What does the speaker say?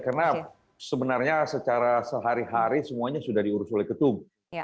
karena sebenarnya secara sehari hari semuanya sudah diurus oleh ketum